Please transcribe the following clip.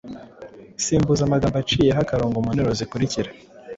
Simbuza amagambo aciyeho akarongo mu nteruro zikurikira